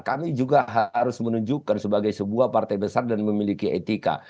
kami juga harus menunjukkan sebagai sebuah partai besar dan memiliki etika